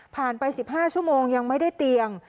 ไป๑๕ชั่วโมงยังไม่ได้เตียง